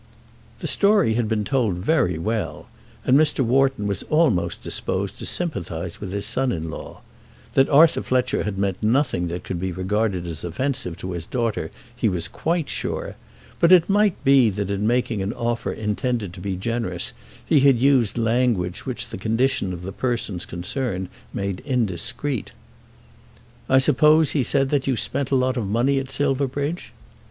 The story had been told very well, and Mr. Wharton was almost disposed to sympathise with his son in law. That Arthur Fletcher had meant nothing that could be regarded as offensive to his daughter he was quite sure; but it might be that in making an offer intended to be generous he had used language which the condition of the persons concerned made indiscreet. "I suppose," he said, "that you spent a lot of money at Silverbridge?"